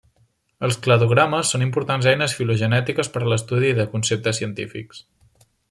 Els cladogrames són importants eines filogenètiques per a l'estudi de conceptes científics.